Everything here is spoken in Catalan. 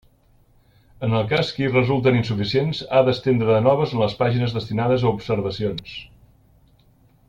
En el cas que hi resulten insuficients, ha d'estendre de noves en les pàgines destinades a observacions.